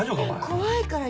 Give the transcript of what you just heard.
怖いから。